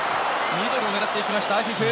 ミドルを狙っていきましたアフィフ。